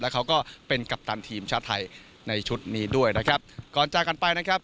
เขาก็เป็นกัปตันทีมชาติไทยในชุดนี้ด้วยนะครับก่อนจากกันไปนะครับ